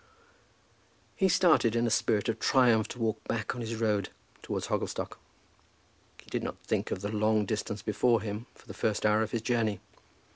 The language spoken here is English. He started in a spirit of triumph to walk back on his road towards Hogglestock. He did not think of the long distance before him for the first hour of his journey.